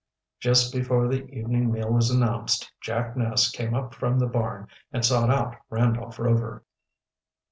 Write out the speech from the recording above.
Just before the evening meal was announced Jack Ness came up from the barn, and sought out Randolph Rover.